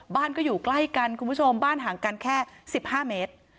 บ้านก็อยู่ใกล้กันคุณผู้ชมบ้านห่างกันแค่๑๕เมตร